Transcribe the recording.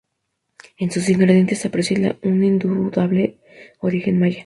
En sus ingredientes se aprecia un indudable origen maya.